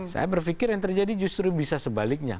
saya berpikir yang terjadi justru bisa sebaliknya